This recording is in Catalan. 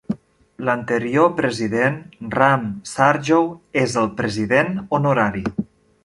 L'anterior president, Ram Sardjoe, és el president honorari.